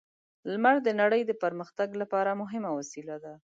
لمر د نړۍ د پرمختګ لپاره مهمه وسیله ده.